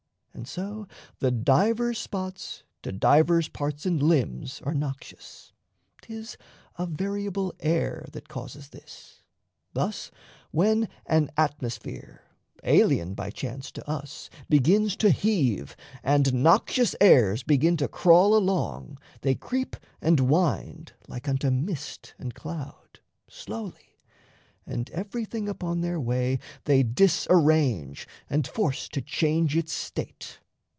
And so The divers spots to divers parts and limbs Are noxious; 'tis a variable air That causes this. Thus when an atmosphere, Alien by chance to us, begins to heave, And noxious airs begin to crawl along, They creep and wind like unto mist and cloud, Slowly, and everything upon their way They disarrange and force to change its state.